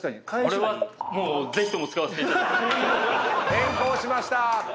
変更しました！